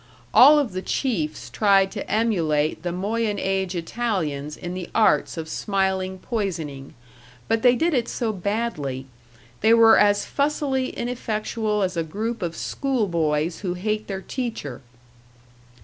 All of the chiefs tried to emulate the moyen age Italians in the arts of smiling poisoning but they did it so badly; they were as fussily ineffectual as a group of school boys who hate their teacher.